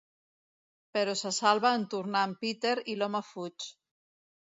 Però se salva en tornar en Peter i l'home fuig.